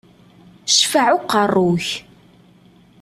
Ccfaɛ uqerru-k!